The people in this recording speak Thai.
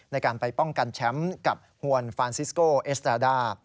ในการไปป้องกันแชมป์กับฮวนฟานซิสโกเอสดาด้า